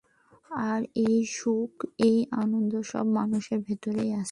আর এই সুখ, এই আনন্দ সব মানুষের ভেতরেই আছে।